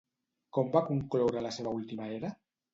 Com va concloure la seva última era?